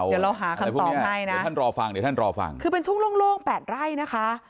เดี๋ยวเราหาคำตอบให้นะเดี๋ยวท่านรอฟังคือเป็นทุ่งโล่ง๘ไร่นะคะ